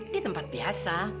di tempat biasa